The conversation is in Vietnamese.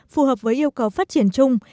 phù hợp với yêu cầu phát triển chung